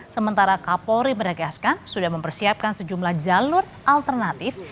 sementara kapolri menegaskan sudah mempersiapkan sejumlah jalur alternatif